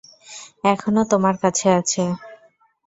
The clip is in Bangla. এখনো তোমার কাছে আছে?